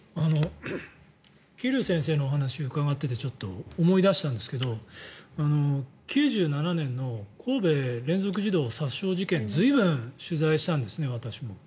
桐生先生のお話を伺っていて思い出したんですけど９７年の神戸連続児童殺傷事件随分取材したんですね、私も。